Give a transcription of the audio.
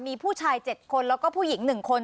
มีผู้ชาย๗คนแล้วก็ผู้หญิง๑คน